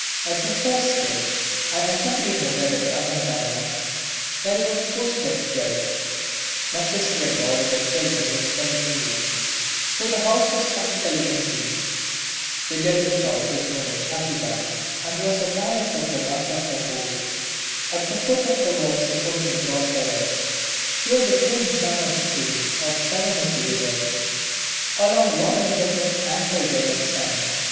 As a first step I accompanied my brother to Ahmedabad where he was posted as judge. My sister in law with her children was then in England, so the house was practically empty. The Judge's house is known as Shahibagh and was a palace of the Badshahs of old. At the foot of the wall supporting a broad terrace flowed the thin summer stream of the Savarmati river along one edge of its ample bed of sand.